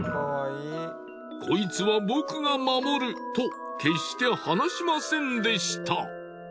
こいつは僕が守る！と決して放しませんでした。